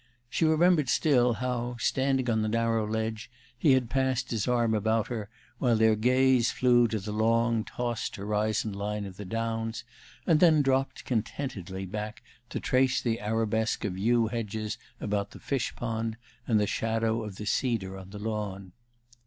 She remembered still how, standing on the narrow ledge, he had passed his arm about her while their gaze flew to the long, tossed horizon line of the downs, and then dropped contentedly back to trace the arabesque of yew hedges about the fish pond, and the shadow of the cedar on the lawn.